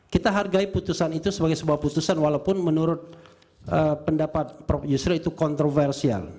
kita hargai putusan itu sebagai sebuah putusan walaupun menurut pendapat prof yusril itu kontroversial